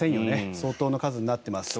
相当な数になっています。